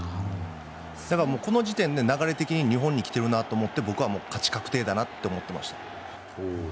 この時点で流れ的に日本に来ているなと思って僕は勝ち確定だなと思っていました。